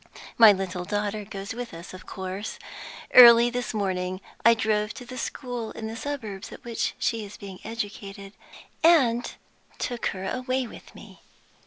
"My little daughter goes with us, of course. Early this morning I drove to the school in the suburbs at which she is being educated, and took her away with me.